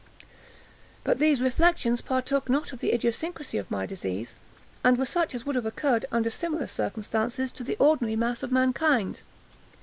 But these reflections partook not of the idiosyncrasy of my disease, and were such as would have occurred, under similar circumstances, to the ordinary mass of mankind.